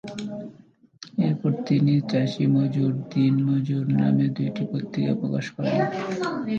এরপর তিনি ‘চাষি-মজুর’, দিন-মজুর’ নামে দুইটি পত্রিকা প্রকাশ করেন।